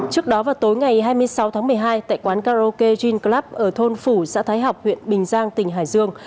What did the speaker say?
trước đó vào tối ngày hai mươi sáu tháng một mươi hai tại quán karaoke jean club ở thôn phủ xã thái học huyện bình giang tỉnh hải dương